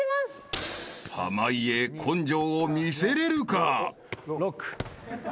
［濱家根性を見せれるか？］